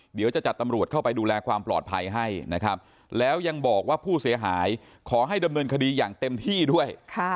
เดี๋ยวจะจัดตำรวจเข้าไปดูแลความปลอดภัยให้นะครับแล้วยังบอกว่าผู้เสียหายขอให้ดำเนินคดีอย่างเต็มที่ด้วย